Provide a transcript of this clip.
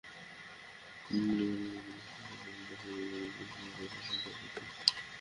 বালু খুঁড়ে ছোট্ট একটি জলাশয় বানিয়েছে খেলার ছলে দুই খেলার সাথি।